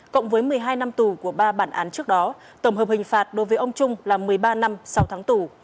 cộng với một mươi hai năm tù của ba bản án trước đó tổng hợp hình phạt đối với ông trung là một mươi ba năm sáu tháng tù